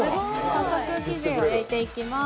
早速、生地を焼いていきます。